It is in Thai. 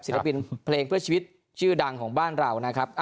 เพลงเพื่อชีวิตชื่อดังของบ้านเรานะครับ